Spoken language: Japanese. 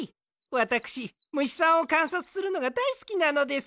わたくしむしさんをかんさつするのがだいすきなのです。